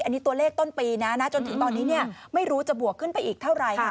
อันนี้ตัวเลขต้นปีนะนะจนถึงตอนนี้ไม่รู้จะบวกขึ้นไปอีกเท่าไหร่